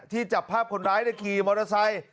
จับภาพคนร้ายในขี่มอเตอร์ไซค์